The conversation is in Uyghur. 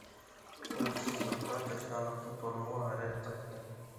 ئۇيقۇسىزلىق ۋە تەشنالىقتىن تولىمۇ ھەرەج تارتتىم.